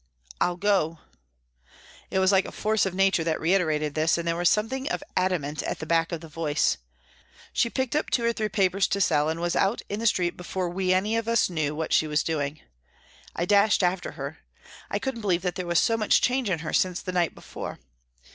" I'll go." It was like a force of nature that reiterated this, and there was some thing of adamant at the back of the voice. She picked up two or three papers to sell, and was out in the street before we any of us knew what she was doing. I dashed after her. I couldn't believe that there was so much change in her since the night before.